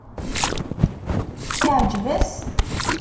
Iεǧeb-as?